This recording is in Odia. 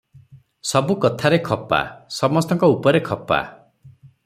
ସବୁ କଥାରେ ଖପା, ସମସ୍ତଙ୍କ ଉପରେ ଖପା ।